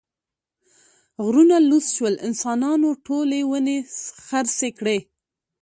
غرونه لوڅ شول، انسانانو ټولې ونې خرڅې کړې.